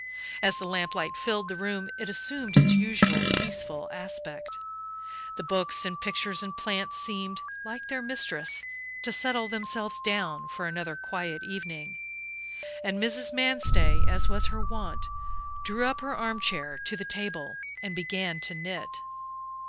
As the lamp light filled the room it assumed its usual peaceful aspect. The books and pictures and plants seemed, like their mistress, to settle themselves down for another quiet evening, and Mrs. Manstey, as was her wont, drew up her armchair to the table and began to knit.